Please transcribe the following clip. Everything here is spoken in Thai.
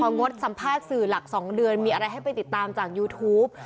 งดสัมภาษณ์สื่อหลัก๒เดือนมีอะไรให้ไปติดตามจากยูทูป